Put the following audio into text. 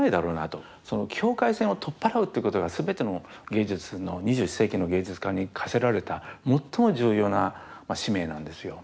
境界線を取っ払うってことが全ての２１世紀の芸術家に課せられた最も重要な使命なんですよ。